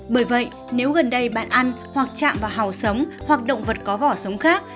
bởi vậy nếu gần đây bạn ăn hoặc chạm vào hầu sống hoặc động vật có vỏ sống khác